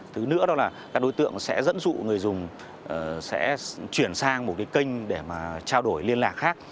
thứ nữa đó là các đối tượng sẽ dẫn dụ người dùng sẽ chuyển sang một cái kênh để mà trao đổi liên lạc khác